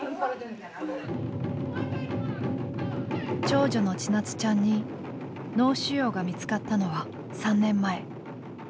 長女のちなつちゃんに脳腫瘍が見つかったのは３年前。